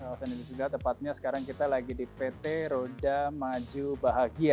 kawasan ini juga tepatnya sekarang kita lagi di pt roda maju bahagia